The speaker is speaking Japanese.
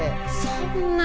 そんな。